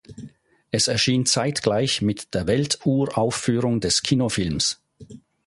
Es erschien zeitgleich mit der Welturaufführung des Kinofilms.